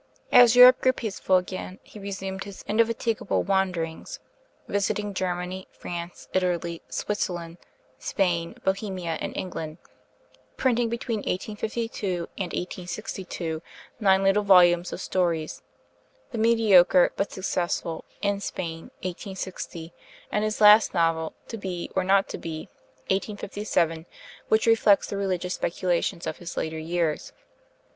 As Europe grew peaceful again he resumed his indefatigable wanderings, visiting Germany, France, Italy, Switzerland, Spain, Bohemia, and England; printing between 1852 and 1862 nine little volumes of stories, the mediocre but successful 'In Spain' (1860), and his last novel, 'To Be or Not To Be' (1857), which reflects the religious speculations of his later years.